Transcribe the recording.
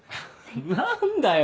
何だよ